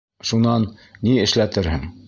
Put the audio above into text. Шунан, ни эшләтерһең?